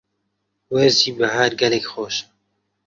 وەرزی بەهار گەلێک خۆشە.